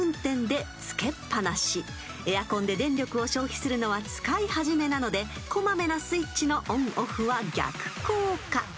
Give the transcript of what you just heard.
［エアコンで電力を消費するのは使い始めなのでこまめなスイッチのオンオフは逆効果］